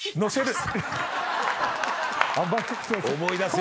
思い出すよ。